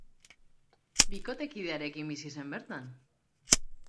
Bikotekidearekin bizi zen bertan.